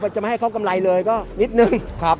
จะไม่ให้เข้ากำไรเลยก็นิดหนึ่งครับ